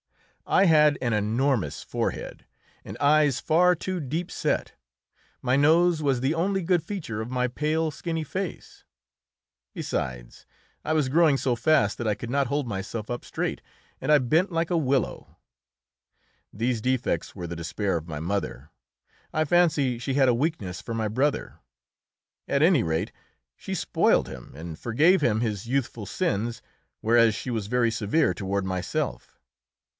I had an enormous forehead, and eyes far too deep set; my nose was the only good feature of my pale, skinny face. Besides, I was growing so fast that I could not hold myself up straight, and I bent like a willow. These defects were the despair of my mother. I fancy she had a weakness for my brother. At any rate, she spoiled him and forgave him his youthful sins, whereas she was very severe toward myself.